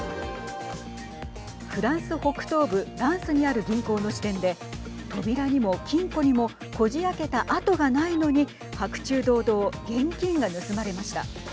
フランス北東部ランスにある銀行の支店で扉にも金庫にもこじあけた跡がないのに白昼堂々現金が盗まれました。